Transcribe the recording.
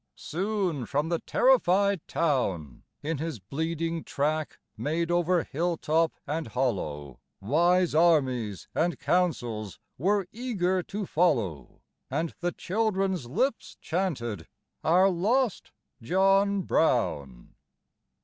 soon from the terrified town, In his bleeding track made over hilltop and hollow, Wise armies and councils were eager to follow, And the children's lips chanted our lost John Brown.